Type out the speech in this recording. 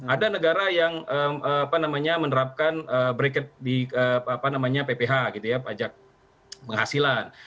ada negara yang menerapkan bracket di pph pajak penghasilan